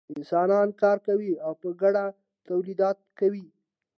انسانان کار کوي او په ګډه تولیدات کوي.